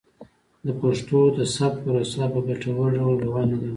د پښتو د ثبت پروسه په ګټور ډول روانه ده.